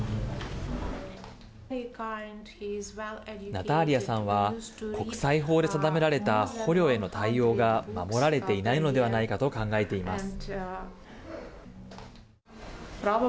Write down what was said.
ナターリアさんは国際法で定められた捕虜への対応が守られていないのではないかと考えています。